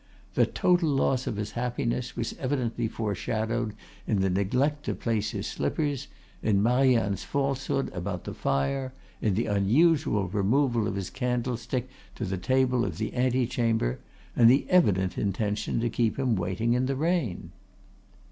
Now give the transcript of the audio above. The total loss of his happiness was evidently foreshadowed in the neglect to place his slippers, in Marianne's falsehood about the fire, in the unusual removal of his candlestick to the table of the antechamber, and in the evident intention to keep him waiting in the rain.